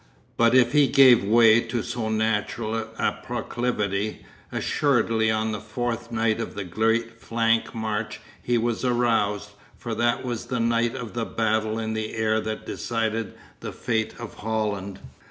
But if he gave way to so natural a proclivity, assuredly on the fourth night of the great flank march he was aroused, for that was the night of the battle in the air that decided the fate of Holland.